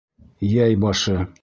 Йәй башы.